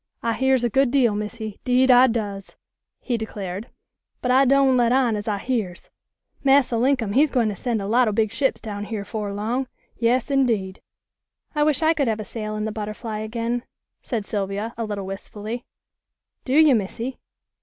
"I hears a good deal, Missy, 'deed I does," he declared, "but I doan' let on as I hears. Massa Linkum he's gwine to send a lot o' big ships down here 'fore long. Yas, indeed." "I wish I could have a sail in the Butterfly again," said Sylvia, a little wistfully. "Do you, Missy?